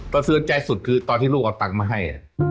สะเทือนใจสุดคือตอนที่ลูกเอาตังค์มาให้